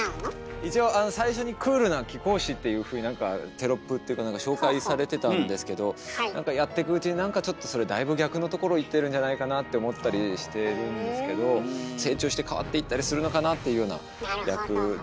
一応最初に「クールな貴公子」っていうふうにテロップっていうかなんか紹介されてたんですけどやってくうちになんかちょっとそれだいぶ逆のところいってるんじゃないかなって思ったりしてるんですけど成長して変わっていったりするのかなっていうような役で。